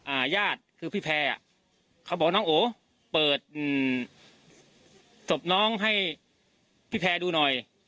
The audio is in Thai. ญาติคือพี่แพรอ่ะเขาบอกน้องโอเปิดอืมศพน้องให้พี่แพรดูหน่อย